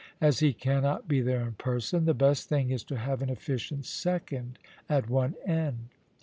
As he cannot be there in person, the best thing is to have an efficient second at one end.